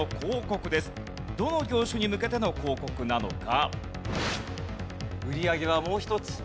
どの業種に向けての広告なのか？